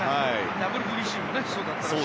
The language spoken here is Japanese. ＷＢＣもそうだったし。